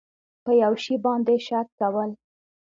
په یو شي باندې شک کول